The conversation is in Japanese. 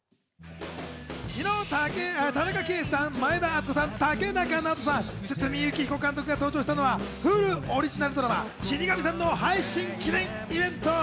昨日、田中圭さん、前田敦子さん、竹中直人さん、堤幸彦監督が登場したのは、Ｈｕｌｕオリジナルドラマ『死神さん』の配信記念イベント。